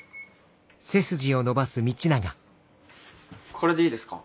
これでいいですか？